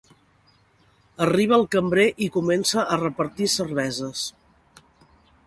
Arriba el cambrer i comença a repartir cerveses.